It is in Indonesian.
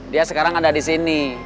dia sekarang ada disini